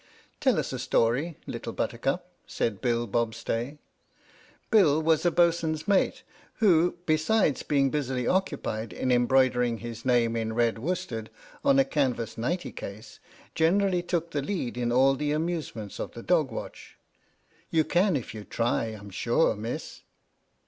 "Tell us a story, Little Buttercup," said Bill Bobstay. Bill was a boatswain's mate, who, be sides being busily occupied in embroidering his name in red worsted on a canvas " nighty case," generally took the lead in all the amusements of the dog watch. "You can if you try, I'm sure, Miss."